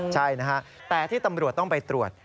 ใช่นะฮะแต่ที่ตำรวจต้องไปตรวจ